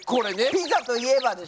ピザといえばでしょ？